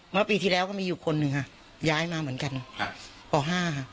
เมื่อปีที่แล้วก็มีอยู่คนหนึ่งค่ะย้ายมาเหมือนกันครับป๕ค่ะ